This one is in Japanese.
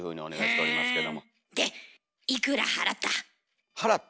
でいくら払った？